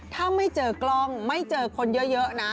ถ้าไม่เจอกล้องไม่เจอคนเยอะนะ